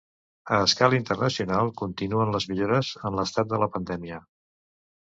A escala internacional, continuen les millores en l’estat de la pandèmia.